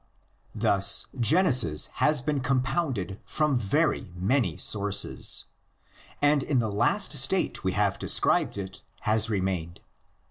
Thus Genesis has been compounded from very many sources. And in the last state we have described it has remained.